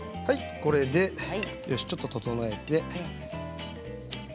これでちょっと調えて。